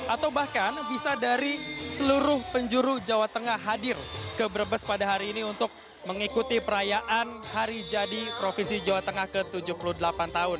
atau bahkan bisa dari seluruh penjuru jawa tengah hadir ke brebes pada hari ini untuk mengikuti perayaan hari jadi provinsi jawa tengah ke tujuh puluh delapan tahun